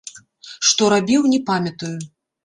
Што рабіў, не памятаю.